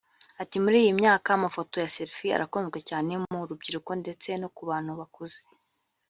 Ati’’ Muri iyi myaka amafoto ya selfie arakunzwe cyane mu rubyiruko ndetse no ku bantu bakuze